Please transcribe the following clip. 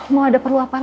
makasih sama aku